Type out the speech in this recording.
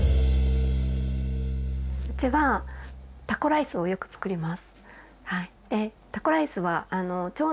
うちはタコライスをよくつくります。